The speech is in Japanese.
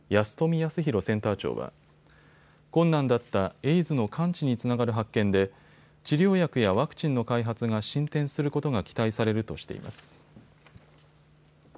康宏センター長は困難だったエイズの完治につながる発見で治療薬やワクチンの開発が進展することが期待されるとしています。